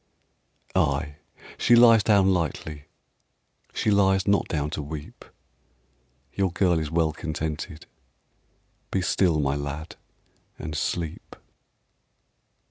Ay, she lies down lightly, She lies not down to weep: Your girl is well contented. Be still, my lad, and sleep.